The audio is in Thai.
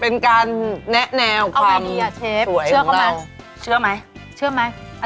เป็นการแนะแนวความสวยของเรา